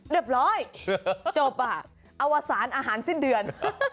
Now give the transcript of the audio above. เรียบร้อยจบอ่ะอวสารอาหารสิ้นเดือน